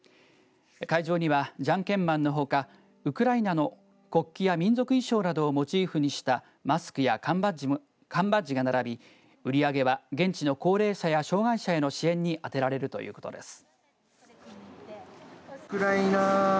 会場には、じゃんけんマンのほかウクライナの国旗や民族衣装などをモチーフにしたマスクや缶バッジが並び売り上げは現地の高齢者や障害者への支援に充てられるということです。